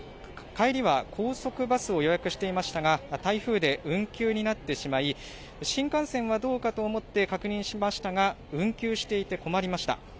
帰りは高速バスを予約していましたが、台風で運休になってしまい、新幹線はどうかと思って確認しましたが、運休していて困りました。